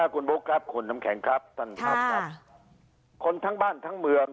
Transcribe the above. คุณบุ๊คครับคุณน้ำแข็งครับท่านครับคนทั้งบ้านทั้งเมือง